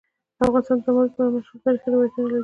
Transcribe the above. افغانستان د زمرد په اړه مشهور تاریخی روایتونه لري.